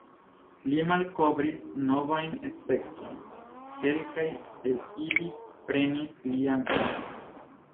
Li malkovris novajn speciojn, kelkaj el ili prenis lian nomon.